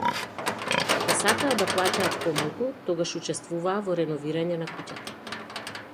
Ако сакаа да плаќаат помалку, тогаш учествуваа во реновирање на куќата.